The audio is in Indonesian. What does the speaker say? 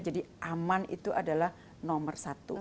jadi aman itu adalah nomor satu